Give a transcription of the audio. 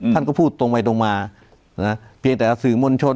ท่านก็พูดตรงไปตรงมานะเพียงแต่สื่อมวลชน